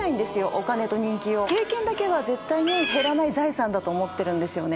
お金と人気を経験だけは絶対に減らない財産だと思ってるんですよね。